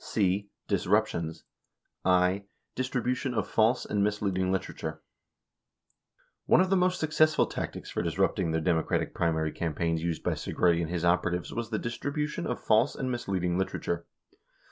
59 (c) Disruptions, (i) Distribution of False and Misleading Litera ture. — One of the most successful tactics for disrupting the Democratic primary campaigns used by Segretti and his operatives was the dis tribution of false and misleading literature.